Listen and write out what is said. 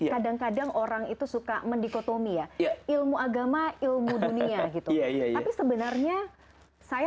kadang kadang orang itu suka mendikotomi ya ilmu agama ilmu dunia gitu tapi sebenarnya saya